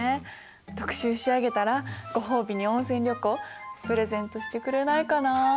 特集仕上げたらご褒美に温泉旅行プレゼントしてくれないかなあ。